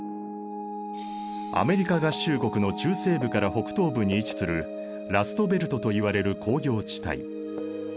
アメリカ合衆国の中西部から北東部に位置するラストベルトといわれる工業地帯。